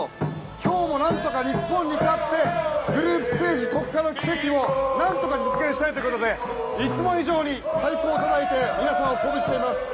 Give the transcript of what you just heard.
今日もなんとか日本に勝ってグループステージ突破の軌跡をなんとか実現したいということでいつも以上に太鼓をたたいて皆さんを鼓舞しています。